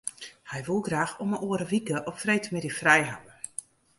Hy woe graach om 'e oare wike op freedtemiddei frij hawwe.